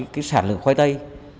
cái sản lượng khoai tây